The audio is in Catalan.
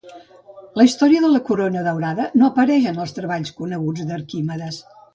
La història de la corona daurada no apareix en els treballs coneguts d'Arquimedes.